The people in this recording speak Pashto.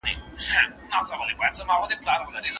نقيبه! زه مې په بې سېکه گوتو څه وپېيم